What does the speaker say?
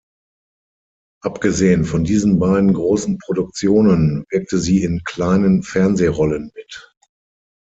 Abgesehen von diesen beiden großen Produktionen wirkte sie in kleinen Fernsehrollen mit.